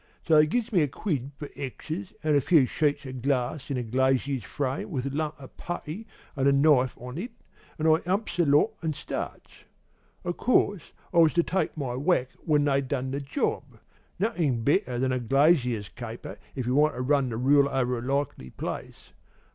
So they gives me a quid for exes, an' a few odd sheets o' glass in a glazier's frame with a lump o' putty an' a knife on it, an' I humps the lot and starts. O' course, I was to take my whack when they'd done the job. Nothin' better than the glazier caper, if you want to run the rule over a likely place.